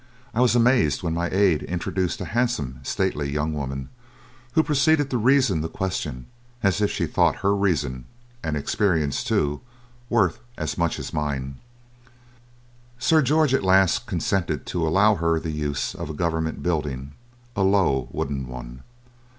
I was amazed when my aide introduced a handsome, stately young woman, who proceeded to reason the question as if she thought her reason, and experience too, worth as much as mine." Sir George at last consented to allow her the use of a Government building, a low wooden one.